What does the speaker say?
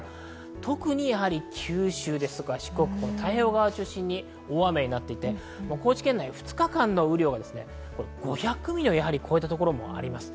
特に九州ですとか四国、太平洋側を中心に大雨になっていて、高知県内、２日間の雨量が５００ミリを超えたところもあります。